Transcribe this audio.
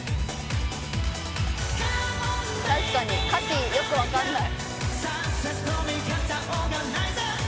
確かに歌詞よく分かんない。